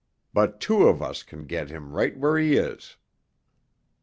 But two of us can get him right where he is."